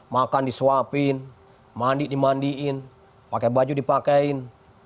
makan disuapin mandi dimandiin pakai baju dipakaiin